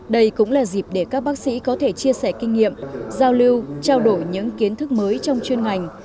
đây cũng là dịp để các bác sĩ có thể chia sẻ kinh nghiệm giao lưu trao đổi những kiến thức mới trong chuyên ngành